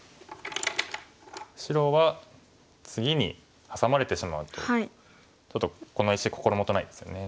白は次にハサまれてしまうとちょっとこの石心もとないですよね。